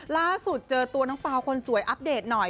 ล่าสุดเจอตัวน้องเปล่าคนสวยอัปเดตหน่อย